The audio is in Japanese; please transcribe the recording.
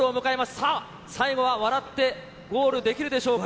さあ、最後は笑ってゴールできるでしょうか。